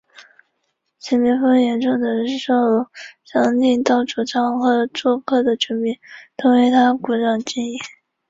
硼烷衍生物双长叶烯基硼烷在有机合成中用作手性硼氢化试剂。